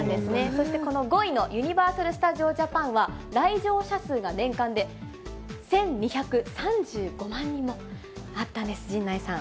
そしてこの５位のユニバーサル・スタジオ・ジャパンは、来場者数が年間で１２３５万人もあったんです、陣内さん。